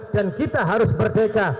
dan kita harus merdeka